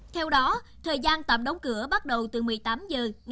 theo đó thời gian tạm đóng cửa bắt đầu từ một mươi tám h